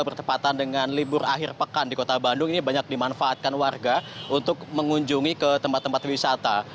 bertepatan dengan libur akhir pekan di kota bandung ini banyak dimanfaatkan warga untuk mengunjungi ke tempat tempat wisata